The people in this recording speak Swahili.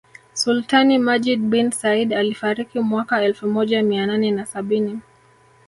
Sultani Majid bin Said alifariki mwaka elfu moja Mia nane na sabini